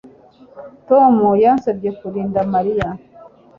Tom yansabye kurinda Mariya